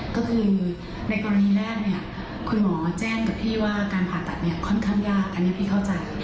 ก็คือในกรณีแรกคุณหมอแจ้งค่อนข้างว่าผ่าตัดการที่ที่สงเร็จยาก